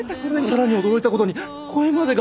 さらに驚いたことに声までが。